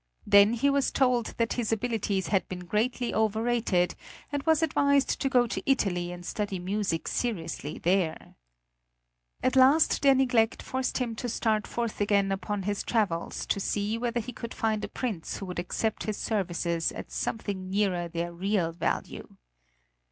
Then he was told that his abilities had been greatly overrated, and was advised to go to Italy and study music seriously there. At last their neglect forced him to start forth again upon his travels to see whether he could find a prince who would accept his services at something nearer their real value.